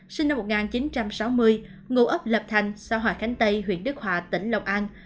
cao thị cúc sinh năm một nghìn chín trăm sáu mươi ngụ ấp lập thành xã hòa khánh tây huyện đức hòa tỉnh lâu an